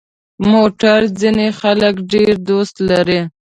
موټر ځینې خلک ډېر دوست لري.